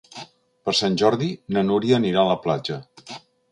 Per Sant Jordi na Núria anirà a la platja.